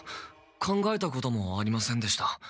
考えたこともありませんでした。